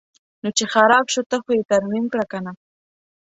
نو چې خراب شو ته خو یې ترمیم کړه کنه.